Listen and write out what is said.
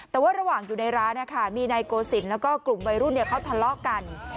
แต่ว่าระหว่างอยู่ในร้านมีนายโกศิลป์แล้วก็กลุ่มวัยรุ่นเขาทะเลาะกัน